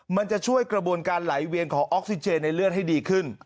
มันจะช่วยกระบวนการไหลเวียนของออกซิเจนในเลือดให้ดีขึ้น